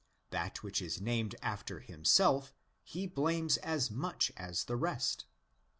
That which is named after himself he blames as much as the rest.